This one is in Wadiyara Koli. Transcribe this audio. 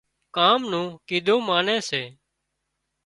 ڪام نون ڪيڌون ماني سي